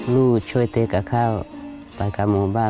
ลูกช่วยเต๊ะกับข้าวไปกับหมู่บ้าน